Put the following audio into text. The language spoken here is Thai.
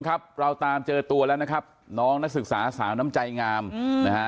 ครับเราตามเจอตัวแล้วนะครับน้องนักศึกษาสาวน้ำใจงามนะฮะ